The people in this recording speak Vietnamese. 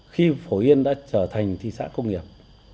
khi phổ yên đã trở thành thị xã công nghiệp